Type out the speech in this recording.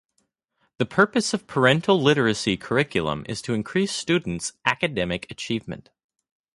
The purpose of parental literacy curriculum is to increase students' academic achievement.